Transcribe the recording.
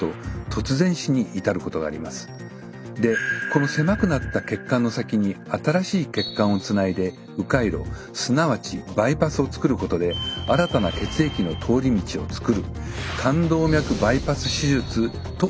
この狭くなった血管の先に新しい血管をつないで迂回路すなわちバイパスを作ることで新たな血液の通り道を作る「冠動脈バイパス手術」と言われるものです。